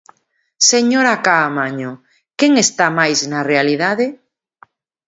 Señora Caamaño, ¿quen está máis na realidade?